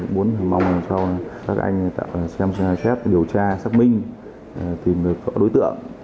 muốn mong cho các anh xem xét điều tra xác minh tìm được các đối tượng